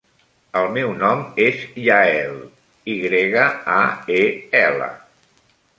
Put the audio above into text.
El meu nom és Yael: i grega, a, e, ela.